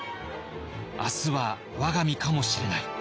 「明日は我が身かもしれない」。